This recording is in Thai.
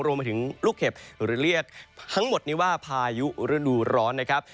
รวมไปถึงลูกเห็บหรือเรียกทั้งหมดนี้ว่าพายุฤดูร้อนนะครับ